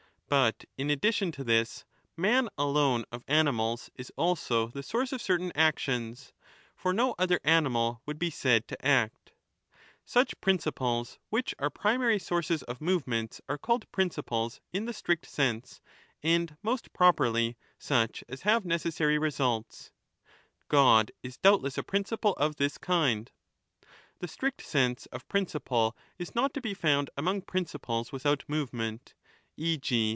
But in addition to this man alone of animals is^a,lso the source of certain actions ; for no other animal would be said ta aCt> 20 Such principles, which are primary sources of movements, are called principles in the strict sense, and most properly such as have necessary results ; God is doubtless a principle of this kind. The strict sense of ' principle ' is not to be found among principles without movement, e. g.